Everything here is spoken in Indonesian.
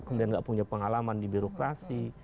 kemudian nggak punya pengalaman di birokrasi